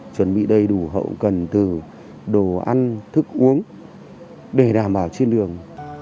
chuẩn bị đầy đủ hậu cần từ đồ ăn thức uống để đảm bảo trên đường